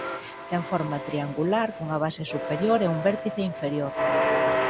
Ten forma triangular cunha base superior e un vértice inferior.